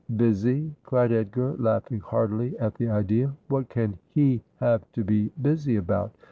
'Busy !' cried Edgar, laughing heartily at the idea. ' What can he have to be busy about